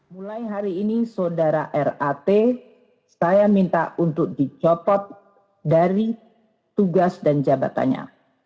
mulai hari ini saudara rat saya minta untuk dicopot dari tugas dan jabatannya